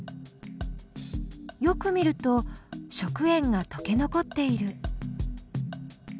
よく見ると食塩がとけ残っている。